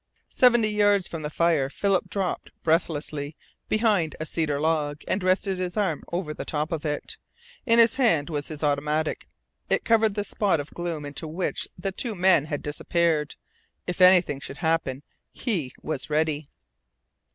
Seventy yards from the fire Philip dropped breathlessly behind a cedar log and rested his arm over the top of it. In his hand was his automatic. It covered the spot of gloom into which the two men had disappeared. If anything should happen he was ready.